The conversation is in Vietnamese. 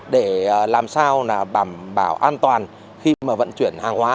để làm sao đảm bảo an toàn khi mà vận chuyển hàng hóa